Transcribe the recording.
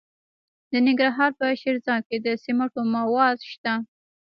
د ننګرهار په شیرزاد کې د سمنټو مواد شته.